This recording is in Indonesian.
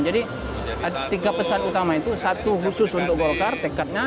jadi tiga pesan utama itu satu khusus untuk golkar tekadnya